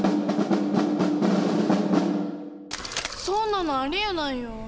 そんなのありえないよ。